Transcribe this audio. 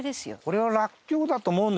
これはらっきょうだと思うんですけど。